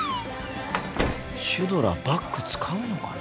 シュドラバッグ使うのかな？